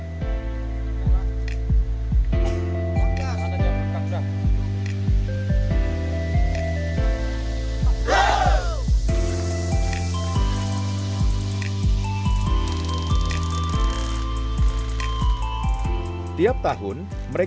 gak hanya untuk untuk berusaha